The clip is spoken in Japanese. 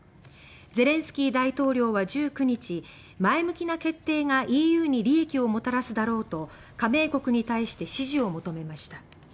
ゼレンスキー大統領は１９日前向きな決定がＥＵに利益をもたらすだろうと加盟国に対して支持を求めました。